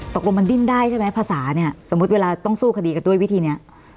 ตกลงมันดิ้นได้ใช่ไหมภาษาเนี่ยสมมุติเวลาต้องสู้คดีกันด้วยวิธีนี้